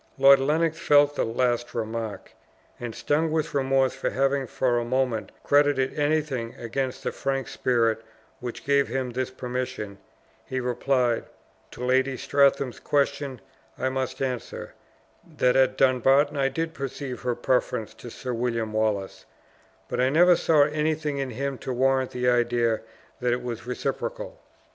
Lord Lennox felt the last remark, and stung with remorse for having for a moment credited anything against the frank spirit which gave him this permission, he replied, "To Lady Strathearn's questions I must answer, that at Dumbarton I did perceive her preference to Sir William Wallace; but I never saw anything in him to warrant the idea that it was reciprocal.